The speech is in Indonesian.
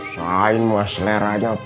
sain wasler aja